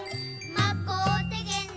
「まこてげんね